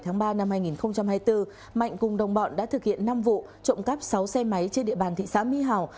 ngày bảy tháng ba năm hai nghìn hai mươi bốn mạnh cùng đồng bọn đã thực hiện năm vụ trộm cắp sáu xe máy trên địa bàn thị xã mỹ hào